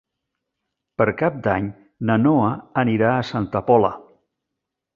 Per Cap d'Any na Noa anirà a Santa Pola.